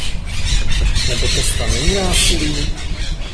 Nebo to snad není násilí?